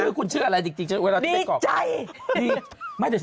ชื่อคุณชื่ออะไรจริงดีใจ